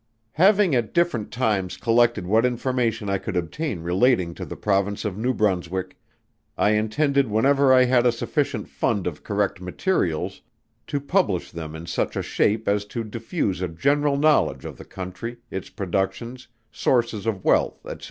Having at different times collected what information I could obtain relating to the Province of New Brunswick, I intended whenever I had a sufficient fund of correct materials, to publish them in such a shape as to diffuse a general knowledge of the Country, its productions, sources of wealth, &c.